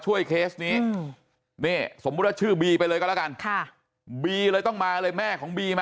โดนหินทุบโดนทอตีโดนแบบ